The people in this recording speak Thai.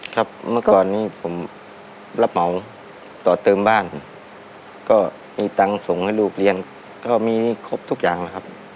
ครับเมื่อก่อนนี้ผมรับเหมาต่อเติมบ้านก็มีตังค์ส่งให้ลูกเรียนก็มีครบทุกอย่างนะครับ